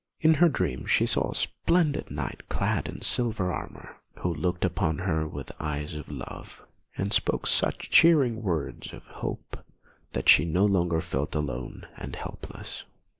In her dream she saw a splendid Knight clad in silver armour, who looked upon her with eyes of love, and spoke such cheering words of hope that she no longer felt alone and helpless.